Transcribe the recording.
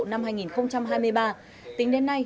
năm hai nghìn hai mươi ba tính đến nay